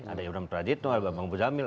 ada yudham trajitno bang bujamil